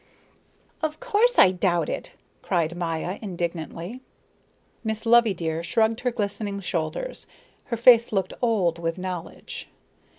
"Of course I doubt it," cried Maya indignantly. Miss Loveydear shrugged her glistening shoulders. Her face looked old with knowledge.